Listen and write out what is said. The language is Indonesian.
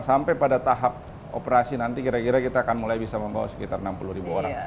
sampai pada tahap operasi nanti kira kira kita akan mulai bisa membawa sekitar enam puluh ribu orang